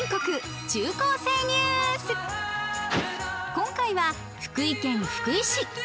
今回は福井県福井市。